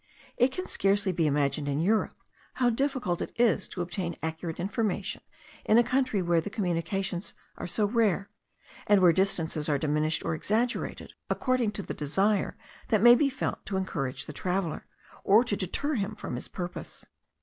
It can scarcely be imagined in Europe, how difficult it is to obtain accurate information in a country where the communications are so rare; and where distances are diminished or exaggerated according to the desire that may be felt to encourage the traveller, or to deter him from his purpose.